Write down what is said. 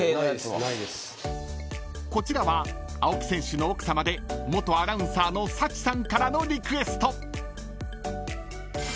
［こちらは青木選手の奥さまで元アナウンサーの佐知さんからのリクエスト］